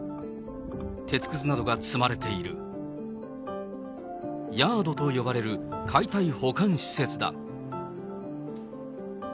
鉄くずなどが積まれているヤードと呼ばれる解体保管施設だ。